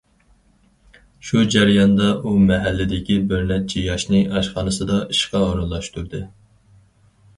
شۇ جەرياندا ئۇ مەھەللىدىكى بىرنەچچە ياشنى ئاشخانىسىدا ئىشقا ئورۇنلاشتۇردى.